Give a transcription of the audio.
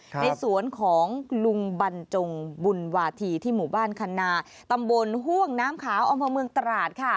ในสวนของลุงบรรจงบุญวาธีที่หมู่บ้านคณาตำบลห่วงน้ำขาวอำเภอเมืองตราดค่ะ